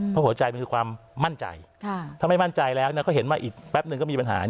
เพราะหัวใจมันคือความมั่นใจถ้าไม่มั่นใจแล้วก็เห็นว่าอีกแป๊บนึงก็มีปัญหา